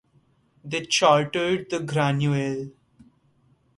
They chartered the "Granuaile".